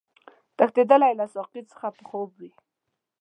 تښتېدلی له ساقي څخه به خوب وي